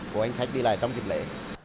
của hành khách đi lại trong dịp lễ